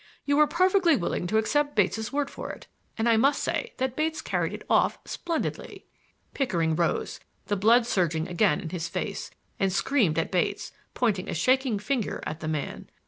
You were perfectly willing to accept Bates' word for it; and I must say that Bates carried it off splendidly." Pickering rose, the blood surging again in his face, and screamed at Bates, pointing a shaking finger at the man.